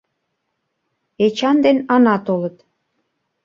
Эчан ден Ана толыт.